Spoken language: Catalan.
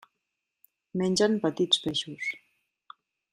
Mengen petits peixos.